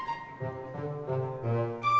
gue curated sama ceweknya